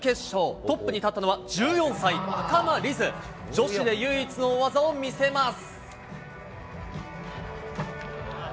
トップに立ったのは１４歳、赤間凛音、女子で唯一の大技を見せます。